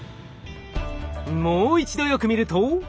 もう一度よく見ると。